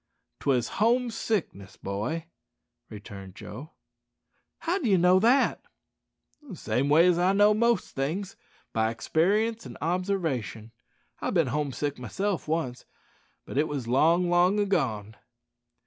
"'Twas home sickness, boy," returned Joe. "How d'ye know that?" "The same way as how I know most things by experience an' obsarvation. I've bin home sick myself once, but it was long, long agone."